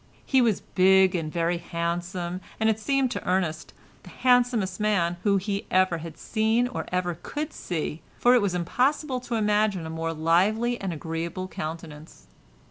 He was big and very handsome—as it seemed to Ernest the handsomest man whom he ever had seen or ever could see, for it was impossible to imagine a more lively and agreeable countenance.